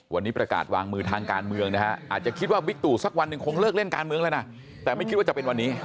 วันนี้ประกาศวางมือทางการเมืองนะฮะอาจจะคิดว่าบิ๊กตู่สักวันหนึ่งคงเลิกเล่นการเมืองแล้วนะแต่ไม่คิดว่าจะเป็นวันนี้